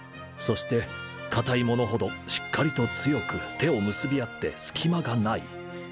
そしてかたいものほどしっかりと強く手を結び合って隙間がない